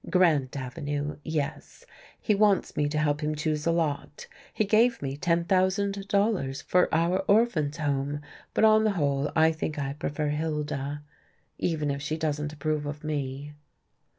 "Grant Avenue, yes; he wants me to help him choose a lot. He gave me ten thousand dollars for our Orphans' Home, but on the whole I think I prefer Hilda even if she doesn't approve of me."